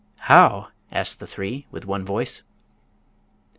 "How?" asked the three, with one voice.